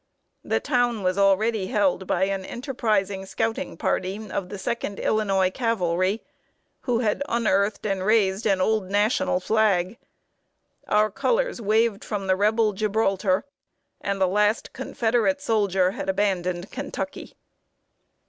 The town was already held by an enterprising scouting party of the Second Illinois Cavalry, who had unearthed and raised an old National flag. Our colors waved from the Rebel Gibraltar, and the last Confederate soldier had abandoned Kentucky.